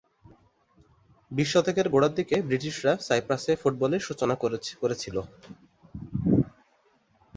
বিশ শতকের গোড়ার দিকে ব্রিটিশরা সাইপ্রাসে ফুটবলের সূচনা করেছিল।